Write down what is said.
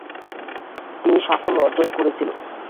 তিনি সাফল্য অর্জন করেছিল।